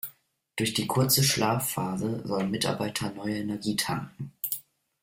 Durch die kurze Schlafphase sollen Mitarbeiter neue Energie tanken.